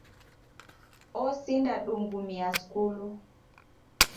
Osinda dungumia skulu